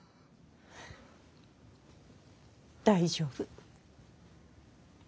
大丈夫。